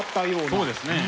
そうですね。